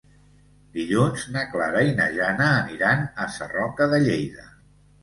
Dilluns na Clara i na Jana aniran a Sarroca de Lleida.